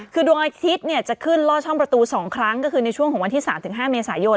คือดวงอาทิตย์จะขึ้นล่อช่องประตู๒ครั้งก็คือในช่วงของวันที่๓๕เมษายน